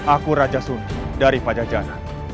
aku raja suni dari pajajanan